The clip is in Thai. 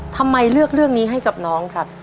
ทำไมเลือกเรื่องนี้ให้กับน้องครับ